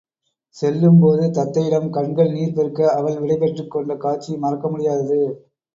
செல்லும்போது தத்தையிடம் கண்கள் நீர் பெருக்க அவள் விடை பெற்றுக் கொண்டகாட்சி மறக்க முடியாதது.